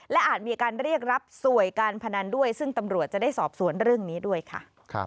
และอาจมีการเรียกรับสวยการพนันด้วยซึ่งตำรวจจะได้สอบสวนเรื่องนี้ด้วยค่ะ